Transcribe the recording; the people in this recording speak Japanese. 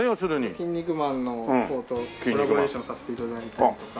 『キン肉マン』の方とコラボレーションさせて頂いたりとか。